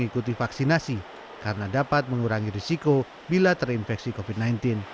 delta termasuk salah satu faktor yang menyebabkan virus corona